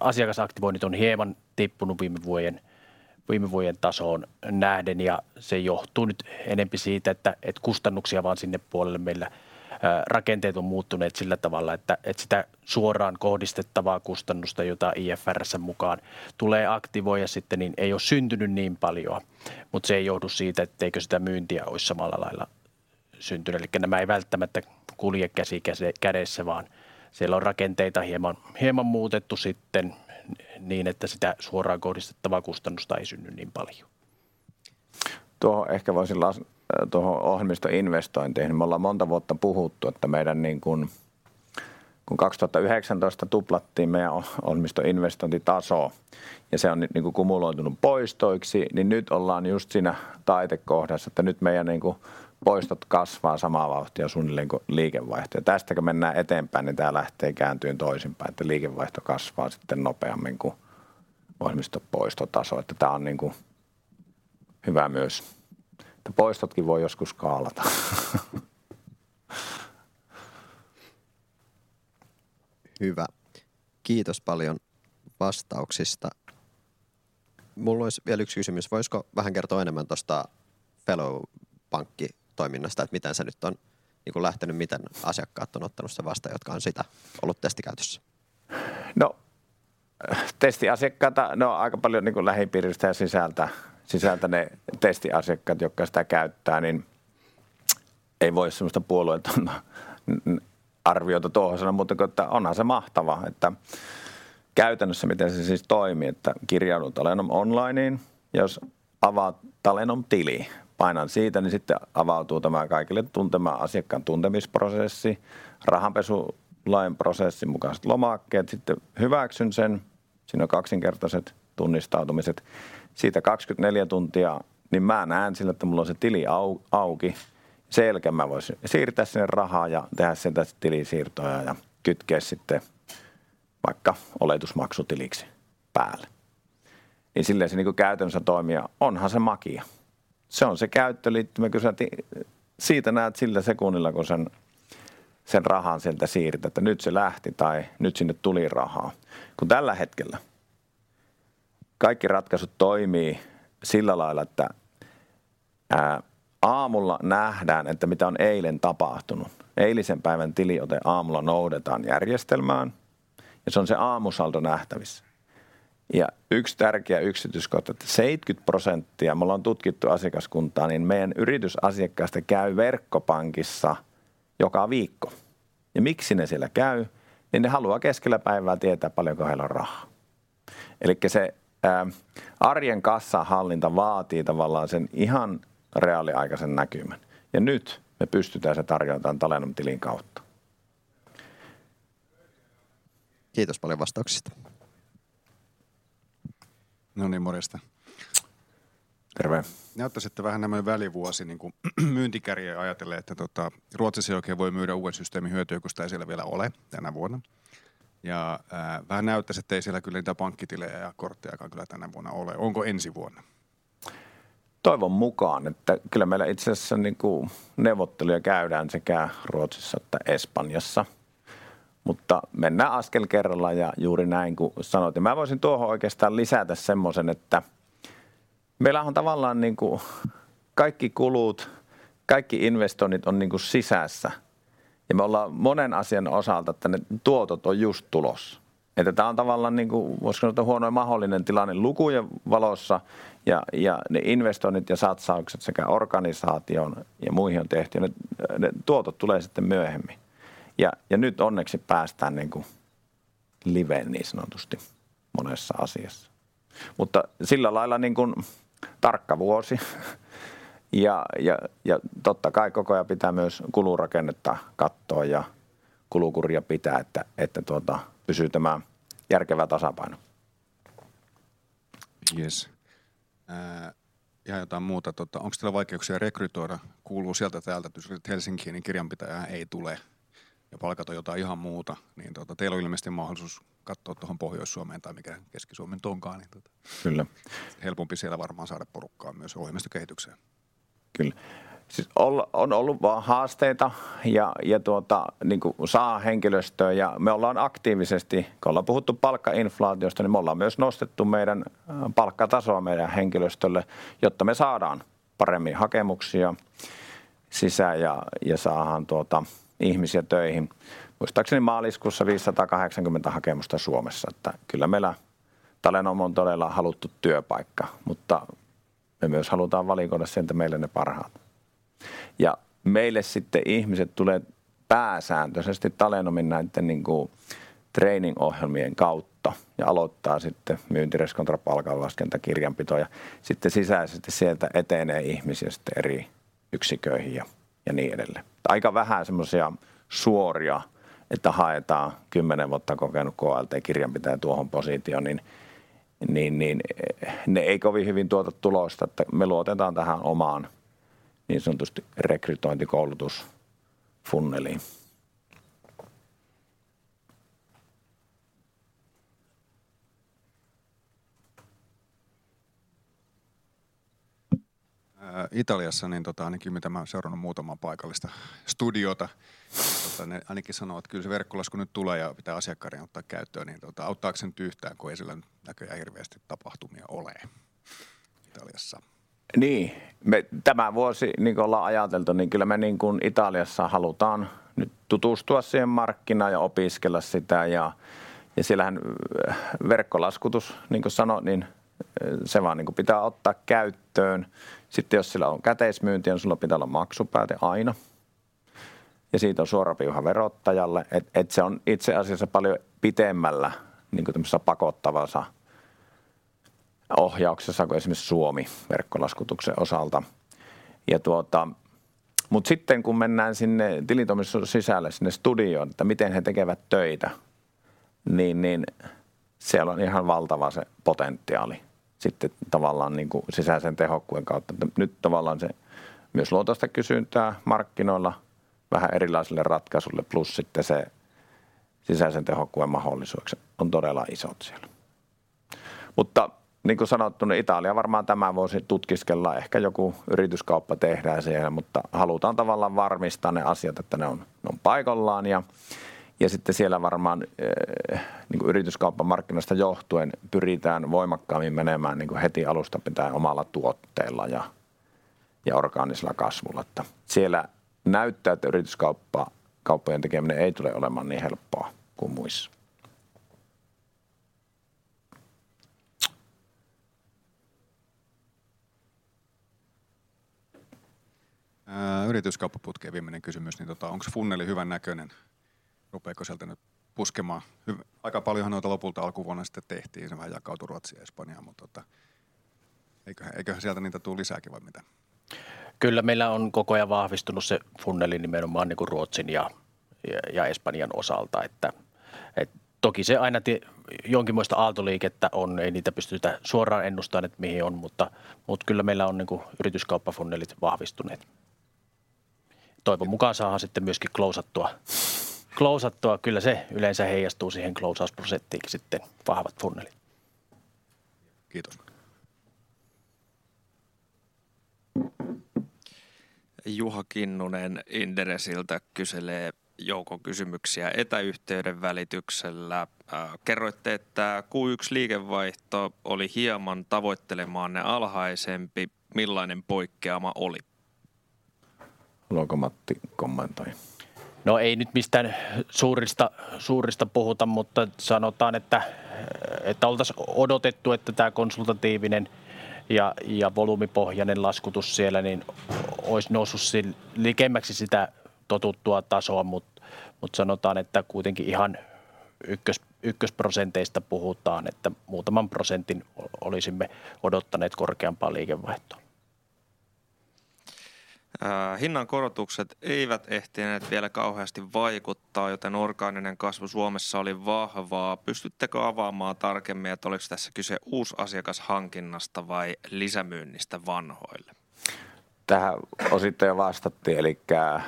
asiakasaktivoinnit on hieman tippunu viime vuojen tasoon nähden ja se johtuu nyt enempi siitä, että et kustannuksia vaan sinne puolelle. Meillä rakenteet on muuttuneet sillä tavalla, että et sitä suoraan kohdistettavaa kustannusta, jota IFRS:n mukaan tulee aktivoida sitten niin ei ole syntynyt niin paljoa, mutta se ei johdu siitä, etteikö sitä myyntiä ois samalla lailla syntynyt. Nämä ei välttämättä kulje käsi kädessä, vaan siellä on rakenteita hieman muutettu sitten niin, että sitä suoraan kohdistettavaa kustannusta ei synny niin paljon. Tuohon ehkä voisin tuohon ohjelmistoinvestointeihin. Me ollaan monta vuotta puhuttu, että meidän niin kun 2019 tuplattiin meidän ohjelmistoinvestointitaso ja se on nyt niinku kumuloitunut poistoiksi, niin nyt ollaan just siinä taitekohdassa, että nyt meidän niinku poistot kasvaa samaa vauhtia suunnilleen kuin liikevaihto. Tästä kun mennään eteenpäin niin tää lähtee kääntyy toisinpäin, että liikevaihto kasvaa sitten nopeammin kuin ohjelmistopoistotaso. Tää on niinku hyvä myös, että poistotkin voi joskus skaalata. Hyvä. Kiitos paljon vastauksista. Mulla ois vielä yks kysymys. Voisko vähän kertoo enemmän tosta Fellow-pankkitoiminnasta, et miten se nyt on niinku lähteny? Miten asiakkaat on ottanu sen vastaan, jotka on sitä ollu testikäytössä? No testiasiakkaita ne on aika paljon niinku lähipiiristä ja sisältä ne testiasiakkaat jotka sitä käyttää, niin ei voi semmosta puolueetonta arviota tohon sanoa muuta ku että onhan se mahtava, että. Käytännössä miten se siis toimii, että kirjaudun Talenom Onlineen. Jos avaat Talenom-tili, painan siitä, niin sitten avautuu tämä kaikille tuntema asiakkaan tuntemisprosessi. rahanpesulain prosessin mukaiset lomakkeet. Sitten hyväksyn sen. Siinä on kaksinkertaiset tunnistautumiset. Siitä 24 tuntia niin mä näen sillä, että mulla on se tili auki. Sen jälkeen mä voin siirtää sinne rahaa ja tehdä sieltä tilisiirtoja ja kytkee sitten vaikka oletusmaksutiliksi päälle. Silleen se niinku käytännössä toimii. Onhan se makia. Se on se käyttöliittymä. Kyllä sä siitä näet sillä sekunnilla kun sen rahan sieltä siirrät, että nyt se lähti tai nyt sinne tuli rahaa. Tällä hetkellä kaikki ratkaisut toimii sillä lailla, että aamulla nähdään, että mitä on eilen tapahtunut. Eilisen päivän tiliote aamulla noudetaan järjestelmään ja se on se aamusaldo nähtävissä. Yks tärkeä yksityiskohta, että 70% me ollaan tutkittu asiakaskuntaa, niin meidän yritysasiakkaista käy verkkopankissa joka viikko. Miksi ne siellä käy, niin ne haluaa keskellä päivää tietää paljonko heillä on rahaa. Se arjen kassanhallinta vaatii tavallaan sen ihan reaaliaikaisen näkymän ja nyt me pystytään se tarjoamaan Talenom-tilin kautta. Kiitos paljon vastauksista. No niin morjesta. Terve. Näyttäis että vähän näin välivuosi niinku myyntikärjellä ajatellen, että tota Ruotsissa ei oikein voi myydä uuden systeemin hyötyjä, koska sitä ei siellä vielä ole tänä vuonna. Vähän näyttäis, ettei siellä kyllä niitä pankkitilejä ja korttejakaan kyllä tänä vuonna ole. Onko ensi vuonna? Toivon mukaan, että kyllä meillä itse asiassa niinku neuvotteluja käydään sekä Ruotsissa että Espanjassa. Mennään askel kerrallaan. Juuri näin kuin sanoit, niin mä voisin tuohon oikeastaan lisätä semmoisen, että meillähän on tavallaan niinku kaikki kulut, kaikki investoinnit on niinku sisässä ja me ollaan monen asian osalta, että ne tuotot on just tulossa. Että tää on tavallaan niinku voisiko sanoa, että huonoin mahdollinen tilanne lukujen valossa ja ne investoinnit ja satsaukset sekä organisaatioon ja muihin on tehty ja ne tuotot tulee sitten myöhemmin. Nyt onneksi päästään niinku liveen niin sanotusti monessa asiassa. Sillä lailla niin kun tarkka vuosi ja totta kai koko ajan pitää myös kulurakennetta kattoa ja kulukuria pitää, että tuota pysyy tämä järkevä tasapaino. Jes. Ja jotain muuta. Tota onks teillä vaikeuksia rekrytoida? Kuuluu sieltä täältä, et Helsinkiin niin kirjanpitäjää ei tule ja palkata jotain ihan muuta, niin tuota teillä on ilmeisesti mahdollisuus kattoa tuohon Pohjois-Suomeen tai mikä Keski-Suomen onkaan niin tota. Kyllä. Helpompi siellä varmaan saada porukkaa myös ohjelmistokehitykseen. Kyllä. Siis on ollut vaan haasteita ja tuota niinku saa henkilöstöä ja me ollaan aktiivisesti kun ollaan puhuttu palkkainflaatiosta, niin me ollaan myös nostettu meidän palkkatasoa meidän henkilöstölle, jotta me saadaan parempia hakemuksia sisään ja saahaan tuota ihmisiä töihin. Muistaakseni maaliskuussa 580 hakemusta Suomessa, että kyllä meillä Talenom on todella haluttu työpaikka, mutta me myös halutaan valikoida sieltä meille ne parhaat. Meille sitten ihmiset tulee pääsääntösesti Talenomin näitten niinku training-ohjelmien kautta ja aloittaa sitten myynti, reskontra, palkanlaskenta, kirjanpito ja sitten sisäisesti sieltä etenee ihmisiä sitten eri yksiköihin ja niin edelleen. Aika vähän semmosia suoria, että haetaan 10 vuotta kokenut KLT-kirjanpitäjä tuohon positioon, niin ne ei kovin hyvin tuota tulosta, että me luotetaan tähän omaan niin sanotusti rekrytointikoulutusfunneliin. Italiassa niin tota ainakin mitä mä oon seurannut muutamaa paikallista studiota tota ne ainakin sanovat, että kyllä se verkkolasku nyt tulee ja pitää asiakkaiden ottaa käyttöön niin tota auttaako se nyt yhtään kun ei siellä nyt näköjään hirveästi tapahtumia ole Italiassa? Me tämä vuosi niinku ollaan ajateltu niin kyllä me niin kun Italiassa halutaan nyt tutustua siihen markkinaan ja opiskella sitä. Siellähän verkkolaskutus niinku sanot, niin se vaan niinku pitää ottaa käyttöön. Jos siellä on käteismyyntiä, niin sulla pitää olla maksupääte aina ja siitä on suora viiva verottajalle, et se on itse asiassa paljon pitemmällä niinku tämmösessä pakottavassa ohjauksessa kuin esimerkiksi Suomi verkkolaskutuksen osalta. Tuota. Sitten kun mennään sinne tilitoimiston sisälle sinne studioon, että miten he tekevät töitä, niin siellä on ihan valtava se potentiaali sitten tavallaan niinku sisäisen tehokkuuden kautta. Nyt tavallaan se myös luo tästä kysyntää markkinoilla vähän erilaisille ratkaisuille. Sitten se sisäisen tehokkuuden mahdollisuudet on todella isot siellä. Niin kuin sanottu, niin Italia varmaan tämä vuosi tutkiskellaan. Ehkä joku yrityskauppa tehdään siellä. Halutaan tavallaan varmistaa ne asiat, että ne on paikallaan. Sitten siellä varmaan niinku yrityskauppamarkkinasta johtuen pyritään voimakkaammin menemään niinku heti alusta pitäen omalla tuotteella ja orgaanisella kasvulla, että siellä näyttää, että yrityskauppojen tekeminen ei tule olemaan niin helppoa kuin muissa. Yrityskauppaputki. Viimeinen kysymys, niin tota onks funneli hyvännäköinen? Rupeeko sieltä nyt puskemaan? Aika paljonhan noita lopulta alkuvuonna sitten tehtiin ja se vähän jakautui Ruotsiin ja Espanjaan. Eiköhän sieltä niitä tuu lisääkin vai mitä? Kyllä meillä on koko ajan vahvistunu se funneli nimenomaan niinku Ruotsin ja Espanjan osalta, että toki se aina tie jonkinmoista aaltoliikettä on. Ei niitä pystytä suoraan ennustaan, et mihin on, mutta kyllä meillä on niinku yrityskauppafunnelit vahvistuneet. Toivon mukaan saahaan sitten myöskin klousattua. Kyllä se yleensä heijastuu siihen klousausprosenttiinkin sitten vahvat funneli. Kiitos. Juha Kinnunen Inderesiltä kyselee joukon kysymyksiä etäyhteyden välityksellä. Kerroitte, että Q1 liikevaihto oli hieman tavoittelemaanne alhaisempi. Millainen poikkeama oli? Haluaako Matti kommentoida? No ei nyt mistään suurista puhuta, sanotaan, että oltas odotettu, että tää konsultatiivinen ja volyymipohjanen laskutus siellä niin ois noussut sil likemmäksi sitä totuttua tasoa. sanotaan, että kuitenkin ihan 1%:sta puhutaan, että muutaman prosentin olisimme odottaneet korkeampaa liikevaihtoa. Hinnankorotukset eivät ehtineet vielä kauheasti vaikuttaa, joten orgaaninen kasvu Suomessa oli vahvaa. Pystyttekö avaamaan tarkemmin, et oliks tässä kyse uusasiakashankinnasta vai lisämyynnistä vanhoille? Tähän osittain jo vastattiin, elikkä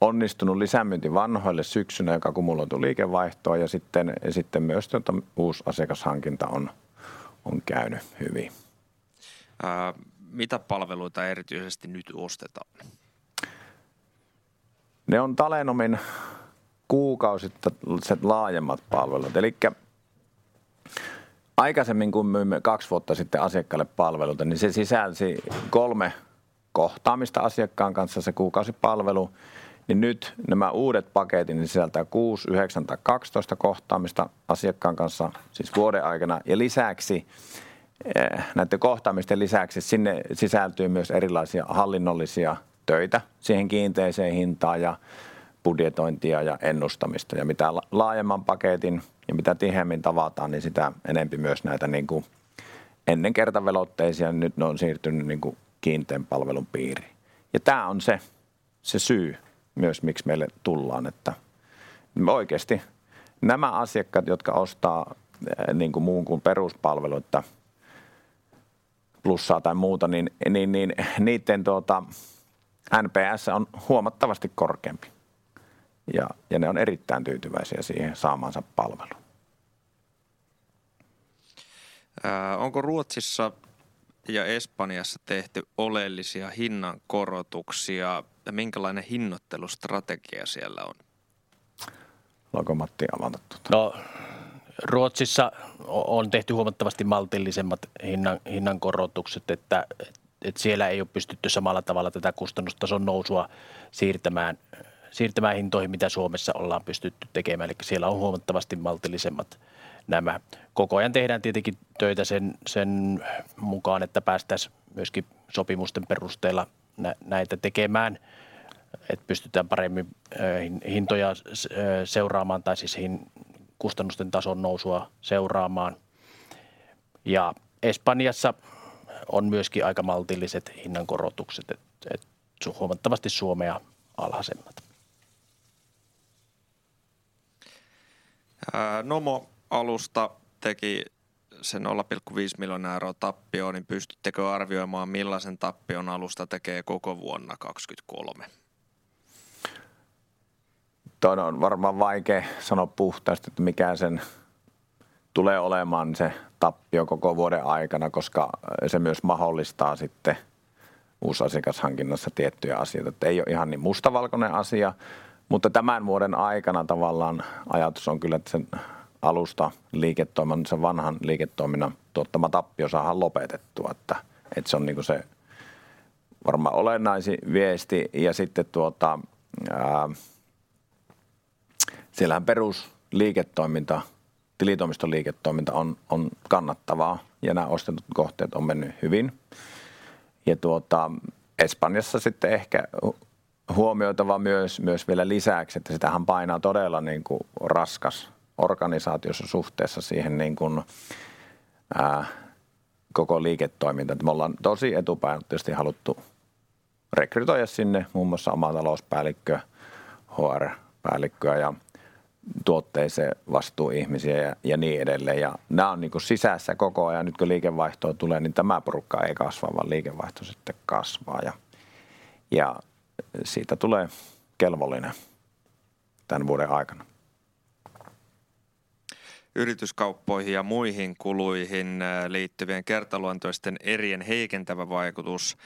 onnistunu lisämyynti vanhoille syksynä, joka kumuloituu liikevaihtoon ja sitten myös tota uusasiakashankinta on käyny hyvin. Mitä palveluita erityisesti nyt ostetaan? Ne on Talenomin kuukausittaiset laajemmat palvelut. Aikaisemmin kun myimme 2 vuotta sitten asiakkaalle palveluita, niin se sisälsi 3 kohtaamista asiakkaan kanssa se kuukausipalvelu, niin nyt nämä uudet paketit niin sisältää 6, 9 tai 12 kohtaamista asiakkaan kanssa siis vuoden aikana ja lisäksi näitten kohtaamisten lisäksi sinne sisältyy myös erilaisia hallinnollisia töitä siihen kiinteeseen hintaan ja budjetointia ja ennustamista. Mitä laajemman paketin ja mitä tiheemmin tavataan, niin sitä enempi myös näitä niinku ennen kertavelotteisia nyt ne on siirtynyt niinku kiinteän palvelun piiriin. Tää on se syy myös miks meille tullaan, että oikeesti nämä asiakkaat, jotka ostaa niinku muun kun peruspalveluitta plussaa tai muuta, niin niitten tuota NPS on huomattavasti korkeampi ja ne on erittäin tyytyväisiä siihen saamaansa palveluun. Onko Ruotsissa ja Espanjassa tehty oleellisia hinnankorotuksia? Minkälainen hinnoittelustrategia siellä on? Haluaako Matti avata tota? Ruotsissa on tehty huomattavasti maltillisemmat hinnankorotukset, et siellä ei oo pystytty samalla tavalla tätä kustannustason nousua siirtämään hintoihin mitä Suomessa ollaan pystytty tekemään. Siellä on huomattavasti maltillisemmat nämä. Koko ajan tehdään tietenkin töitä sen mukaan, päästäs myöski sopimusten perusteella näitä tekemään, et pystytään paremmin hintoja seuraamaan tai siis kustannusten tason nousua seuraamaan. Espanjassa on myöskin aika maltilliset hinnankorotukset, et huomattavasti Suomea alhaisemmat. Nomo-alusta teki sen 0.5 million tappioo, niin pystyttekö arvioimaan millaisen tappion alusta tekee koko vuonna 2023? Tuo on varmaan vaikea sanoa puhtaasti, että mikä sen tulee olemaan se tappio koko vuoden aikana, koska se myös mahdollistaa sitten uusasiakashankinnassa tiettyjä asioita, että ei ole ihan niin mustavalkoinen asia, mutta tämän vuoden aikana tavallaan ajatus on kyllä, että sen alustaliiketoiminnan, sen vanhan liiketoiminnan tuottama tappio saadaan lopetettua, että se on niin kuin se varmaan olennaisin viesti. Sitten tuota siellähän perus liiketoiminta, tilitoimistoliiketoiminta on kannattavaa ja nämä ostetut kohteet on mennyt hyvin. Tuota Espanjassa sitten ehkä huomioitava myös vielä lisäksi, että sitähän painaa todella niin kuin raskas organisaatio suhteessa siihen niin kuin koko liiketoiminta, että me ollaan tosi etupainotteisesti haluttu rekrytoida sinne muun muassa oma talouspäällikkö, HR-päällikköä ja tuotteeseen vastuuihmisiä ja niin edelleen. Nämä on niin kuin sisässä koko ajan. Nyt kun liikevaihtoa tulee, niin tämä porukka ei kasva, vaan liikevaihto sitten kasvaa ja siitä tulee kelvollinen tämän vuoden aikana. Yrityskauppoihin ja muihin kuluihin liittyvien kertaluontoisten erien heikentävä vaikutus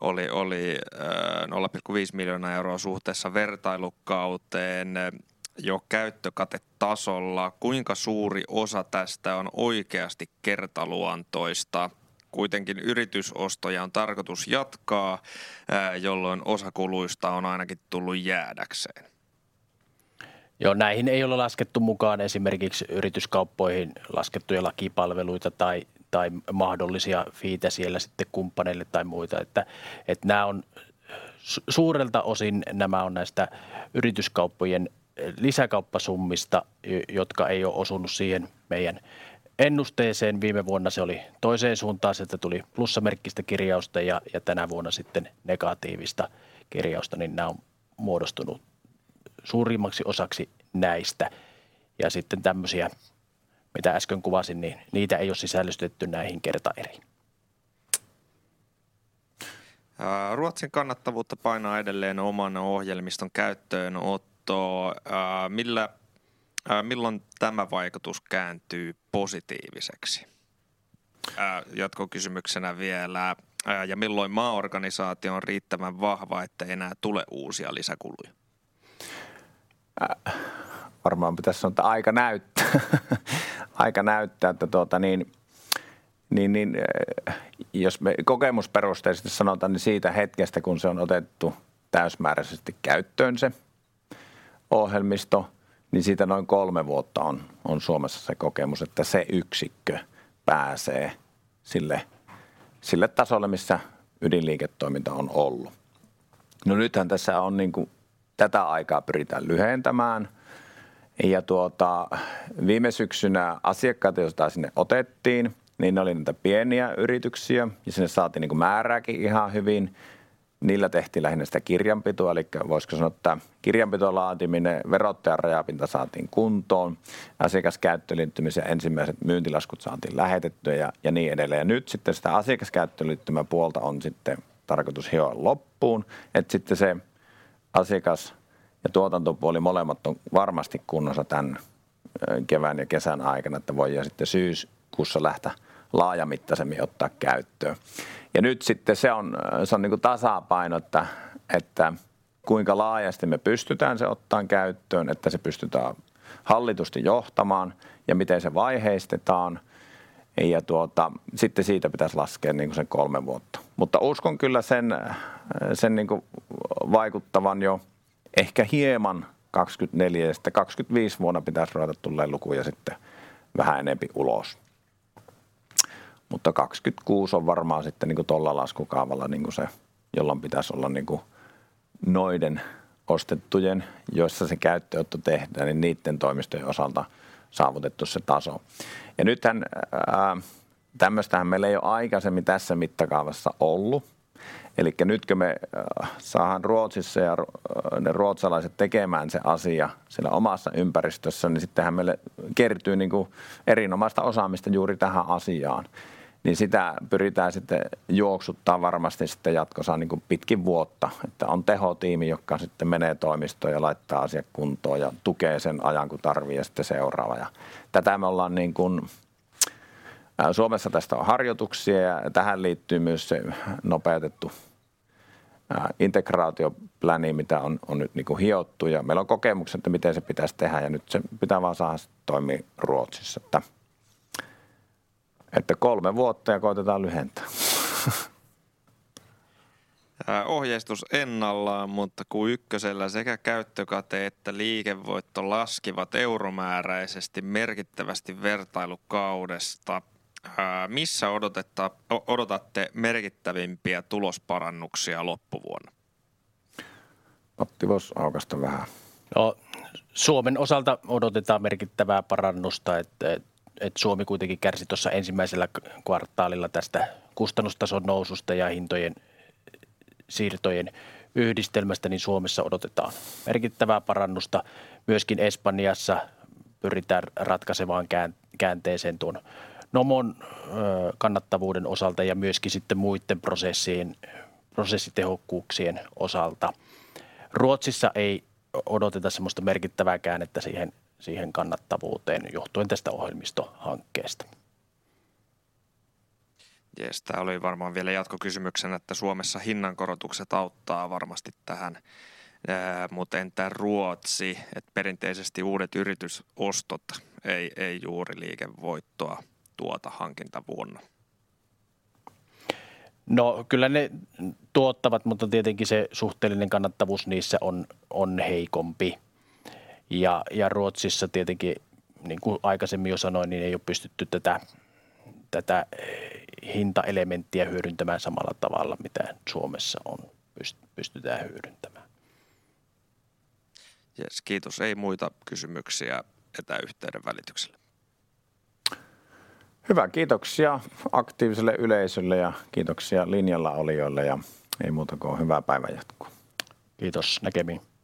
oli 0.5 miljoonaa euroa suhteessa vertailukauteen jo käyttökatetasolla. Kuinka suuri osa tästä on oikeasti kertaluontoista? Yritysostoja on tarkoitus jatkaa, jolloin osa kuluista on ainakin tullut jäädäkseen. Näihin ei ole laskettu mukaan esimerkiksi yrityskauppoihin laskettuja lakipalveluita tai mahdollisia feetejä siellä sitten kumppaneille tai muita, että, et nää on suurelta osin nämä on näistä yrityskauppojen lisäkauppasummista, jotka ei ole osunut siihen meidän ennusteeseen. Viime vuonna se oli toiseen suuntaan. Sieltä tuli plussamerkkistä kirjausta ja tänä vuonna sitten negatiivista kirjausta, niin nää on muodostunut suurimmaksi osaksi näistä. Sitten tämmösiä mitä äsken kuvasin, niin niitä ei ole sisällytetty näihin kertaeriin. Ruotsin kannattavuutta painaa edelleen oman ohjelmiston käyttöönotto. Millä, milloin tämä vaikutus kääntyy positiiviseksi? Jatkokysymyksenä vielä milloin maaorganisaatio on riittävän vahva, ettei enää tule uusia lisäkuluja? Varmaan pitäis sanoa, että aika näyttää. Aika näyttää, että tuota niin niin jos me kokemusperusteisesti sanotaan niin siitä hetkestä kun se on otettu täysmääräsesti käyttöön se ohjelmisto, niin siitä noin kolme vuotta on Suomessa se kokemus, että se yksikkö pääsee sille tasolle missä ydinliiketoiminta on ollut. Nythän tässä on niinku tätä aikaa pyritään lyhentämään ja tuota viime syksynä asiakkaita, joita sinne otettiin, niin ne oli niitä pieniä yrityksiä ja sinne saatiin niinku määrääkin ihan hyvin. Niillä tehtiin lähinnä sitä kirjanpitoa. Voisiko sanoa, että kirjanpitolaatiminen verottajan rajapinta saatiin kuntoon. Asiakaskäyttöliittymisen ensimmäiset myyntilaskut saatiin lähetettyä ja niin edelleen. Nyt sitten sitä asiakaskäyttöliittymäpuolta on sitten tarkoitus hioa loppuun. Et sitten se asiakas ja tuotantopuoli molemmat on varmasti kunnossa tän kevään ja kesän aikana, että voidaan sitten syyskuussa lähteä laajamittaisemmin ottaa käyttöön. Nyt sitten se on niinku tasapainotta, että kuinka laajasti me pystytään se ottaan käyttöön, että se pystytään hallitusti johtamaan ja miten se vaiheistetaan. Tuota sitten siitä pitäis laskee niinku se kolme vuotta, mutta uskon kyllä sen niinku vaikuttavan jo ehkä hieman 2024 ja sitten 2025 vuonna pitäis ruveta tulee lukuja sitten vähän enempi ulos. 2026 on varmaan sitten niinku tolla laskukaavalla niinku se, jolloin pitäis olla niinku noiden ostettujen, joissa se käyttöönotto tehdään, niin niitten toimistojen osalta saavutettu se taso. Nythän tämmöistähän meillä ei ole aikaisemmin tässä mittakaavassa ollut. Nytkö me saadaan Ruotsissa ja ne ruotsalaiset tekemään se asia siellä omassa ympäristössään, niin sittenhän meille kertyy niinku erinomaista osaamista juuri tähän asiaan, niin sitä pyritään sitten juoksuttamaan varmasti sitten jatkossa niinku pitkin vuotta, että on tehotiimi, joka sitten menee toimistoon ja laittaa asiat kuntoon ja tukee sen ajan kun tarvii ja sitten seuraava. Tätä me ollaan niinkun Suomessa tästä on harjoituksia ja tähän liittyy myös se nopeutettu integraatio pläni mitä on nyt niinku hiottu ja meillä on kokemukset että miten se pitäis tehdä ja nyt se pitää vaan saada se toimiin Ruotsissa että kolme vuotta ja koitetaan lyhentää. Ohjeistus ennallaan. Q1:llä sekä käyttökate että liikevoitto laskivat euromääräisesti merkittävästi vertailukaudesta. Missä odotatte merkittävimpiä tulosparannuksia loppuvuonna? Matti vois aukaista vähän. Suomen osalta odotetaan merkittävää parannusta, Suomi kuitenkin kärsi tuossa ensimmäisellä kvartaalilla tästä kustannustason noususta ja hintojen siirtojen yhdistelmästä, niin Suomessa odotetaan merkittävää parannusta. Myöskin Espanjassa pyritään ratkaisevaan käänteeseen tuon Nomon kannattavuuden osalta ja myöskin sitten muiden prosessien prosessitehokkuuksien osalta. Ruotsissa ei odoteta semmosta merkittävääkään, että siihen kannattavuuteen johtuen tästä ohjelmistohankkeesta. Jees, tää oli varmaan vielä jatkokysymyksenä, että Suomessa hinnankorotukset auttaa varmasti tähän, mutta entä Ruotsi? Perinteisesti uudet yritysostot ei juuri liikevoittoa tuota hankintavuonna. kyllä ne tuottavat, mutta tietenkin se suhteellinen kannattavuus niissä on heikompi. Ruotsissa tietenkin niinku aikaisemmin jo sanoin, niin ei ole pystytty tätä hintaelementtiä hyödyntämään samalla tavalla mitä Suomessa on pystytään hyödyntämään. Jes, kiitos! Ei muita kysymyksiä etäyhteyden välityksellä. Hyvä, kiitoksia aktiiviselle yleisölle ja kiitoksia linjalla olijoille ja ei muuta kuin hyvää päivänjatkoa. Kiitos, näkemiin!